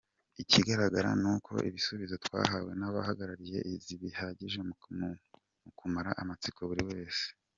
Ikigaragara ni uko ibisubizo twahawe n’abahagarariye izi bihagije mu kumara amatsiko buri wese.